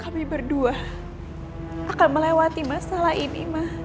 kami berdua akan melewati masalah ini